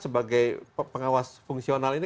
sebagai pengawas fungsional ini